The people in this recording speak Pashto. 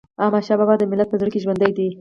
احمدشاه بابا د ملت په زړه کي ژوندی دی.